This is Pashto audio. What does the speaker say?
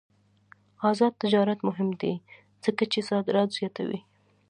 آزاد تجارت مهم دی ځکه چې صادرات زیاتوي.